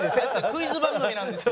クイズ番組なんです。